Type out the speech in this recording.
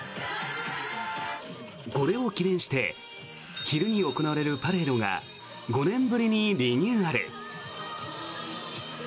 これを記念して昼に行われるパレードが５年ぶりにリニューアル。